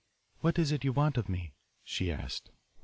"What is it you want of me?" she asked.